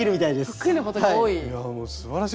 得意なことが多い。